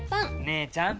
姉ちゃん！